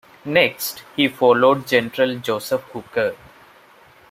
Next, he followed General Joseph Hooker.